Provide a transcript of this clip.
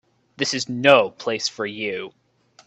This is no place for you.